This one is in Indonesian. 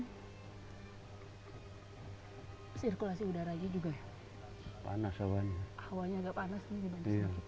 hai sirkulasi udara juga panas awalnya awalnya enggak panas ini bener bener